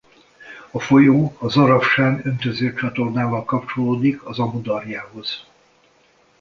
A folyó a Zaravsán-öntözőcsatornával kapcsolódik az Amu-darjához.